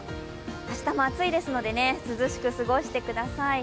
明日も暑いですので、涼しく過ごしてください。